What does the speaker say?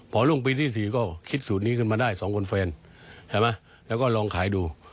พอรุ่งปีที่๔ก็คิดสูตรนี้ขึ้นมาได้๒คนแฟนใช่ไหมแล้วก็ลองขายดู